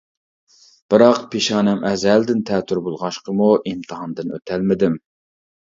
بىراق پېشانەم ئەزەلدىن تەتۈر بولغاچقىمۇ ئىمتىھاندىن ئۆتەلمىدىم.